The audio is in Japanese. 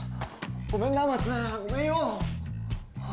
ごめんな松ごめんよ。